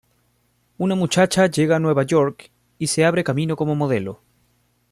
Una muchacha llega a Nueva York y se abre camino como modelo.